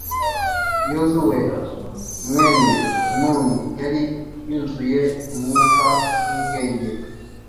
yozuwe mwene nuni yari yuzuye umwuka w'ubwenge